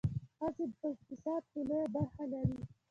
ښځې په اقتصاد کې لویه برخه لري.